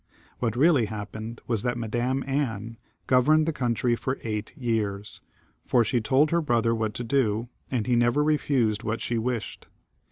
What really hap pened was that Madam Anne governed the country for eight years ; for she told her brother what to do, and he never refused what she wished.